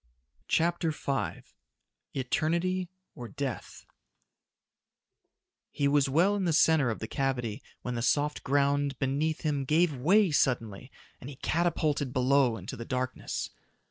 CHAPTER V Eternity or Death He was well in the center of the cavity when the soft ground beneath him gave way suddenly and he catapulted below into the darkness.